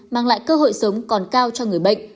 mang lại cơ hội sống còn cao cho người bệnh